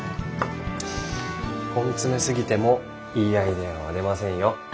根詰めすぎてもいいアイデアは出ませんよ。